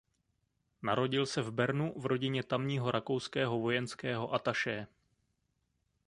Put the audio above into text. Narodil se v Bernu v rodině tamního rakouského vojenského atašé.